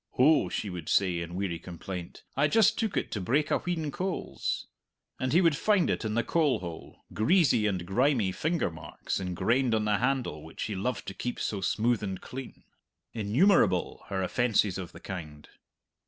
"Oh," she would say, in weary complaint, "I just took it to break a wheen coals;" and he would find it in the coal hole, greasy and grimy finger marks engrained on the handle which he loved to keep so smooth and clean. Innumerable her offences of the kind.